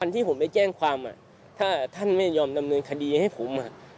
ที่ผมไปแจ้งความถ้าท่านไม่ยอมดำเนินคดีให้ผม